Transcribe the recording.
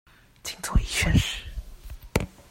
僅做一宣示